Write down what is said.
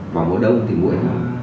vào mùa đông thì mũi